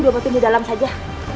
dibobatin di dalam saja